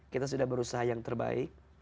kita sudah berusaha yang terbaik